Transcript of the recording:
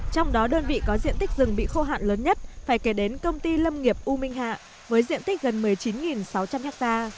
trong đó đơn vị có diện tích rừng bị khô hạn lớn nhất phải kể đến công ty lâm nghiệp u minh hạ với diện tích gần một mươi chín sáu trăm linh ha